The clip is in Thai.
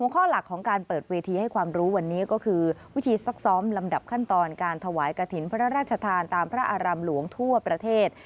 ข้อหลักของการเปิดเวทีให้ความรู้วันนี้ก็คือวิธีซักซ้อมลำดับขั้นตอนการถวายกระถิ่นพระราชทานตามพระอารามหลวงทั่วประเทศ